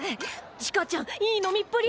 チカちゃんいい飲みっぷり！